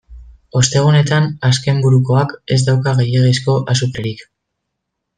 Ostegunetan azkenburukoak ez dauka gehiegizko azukrerik.